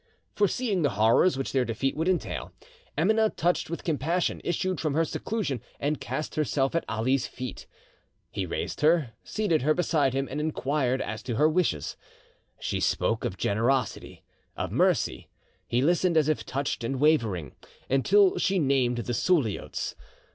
Foreseeing the horrors which their defeat would entail, Emineh, touched with compassion, issued from her seclusion and cast herself at Ali's feet. He raised her, seated her beside him, and inquired as to her wishes. She spoke of, generosity, of mercy; he listened as if touched and wavering, until she named the Suliots.